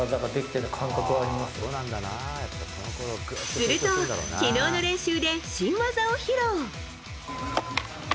すると、昨日の練習で新技を披露。